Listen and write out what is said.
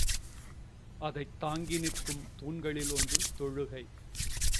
அதைத் தாங்கி நிற்கும் தூண்களில் ஒன்று தொழுகை.